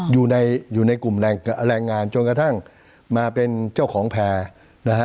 อยู่ในอยู่ในกลุ่มแรงงานจนกระทั่งมาเป็นเจ้าของแพร่นะฮะ